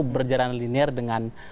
berjalan linear dengan